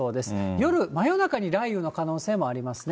夜、真夜中に雷雨の可能性もありますね。